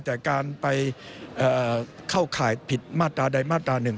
แต่การไปเข้าข่ายผิดมาตราใดมาตรา๑